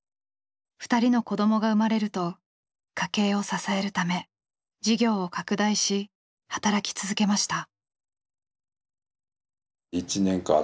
２人の子どもが生まれると家計を支えるため事業を拡大し働き続けました。